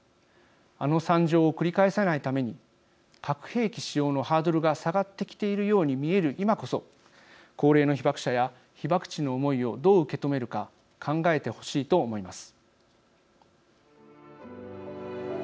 あの惨状を繰り返さないために核兵器使用のハードルが下がってきているように見える今こそ高齢の被爆者や被爆地の思いをどう受け止めるか考えてほしいと思います。